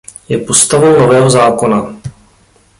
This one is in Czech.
Je postavou Nového zákona.